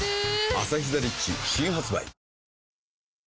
「アサヒザ・リッチ」新発売